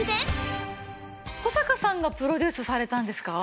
保阪さんがプロデュースされたんですか？